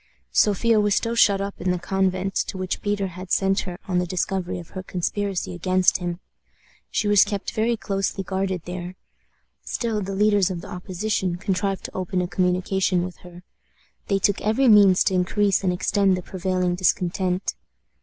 Sophia was still shut up in the convent to which Peter had sent her on the discovery of her conspiracy against him. She was kept very closely guarded there. Still, the leaders of the opposition contrived to open a communication with her. They took every means to increase and extend the prevailing discontent.